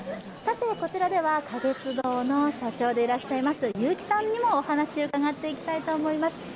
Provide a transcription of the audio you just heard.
こちらでは花月堂の社長でいらっしゃいます結城さんにもお話を伺っていきたいと思います。